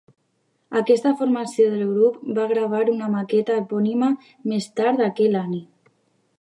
Aquesta formació del grup va gravar una maqueta epònima més tard aquell any.